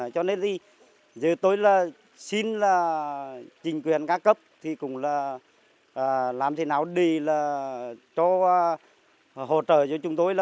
cho nên gì dưới tôi xin là chính quyền ca cấp thì cũng là làm thế nào để cho hỗ trợ cho chúng tôi